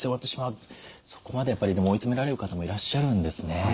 そこまでやっぱり追い詰められる方もいらっしゃるんですね。